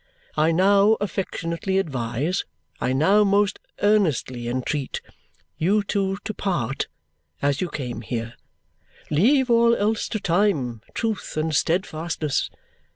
I now affectionately advise, I now most earnestly entreat, you two to part as you came here. Leave all else to time, truth, and steadfastness.